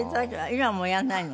今はもうやらないの？